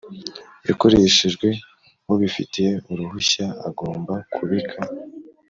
yakoreshejwe ubifitiye uruhushya agomba kubika